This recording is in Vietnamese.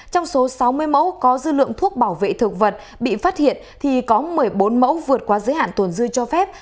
trong số sáu mươi mẫu có dư lượng thuốc bảo vệ thực vật bị phát hiện thì có một mươi bốn mẫu vượt qua giới hạn tồn dư cho phép